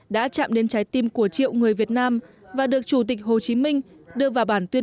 một nghìn bảy trăm tám mươi chín đã chạm đến trái tim của triệu người việt nam và được chủ tịch hồ chí minh đưa vào bản tuyên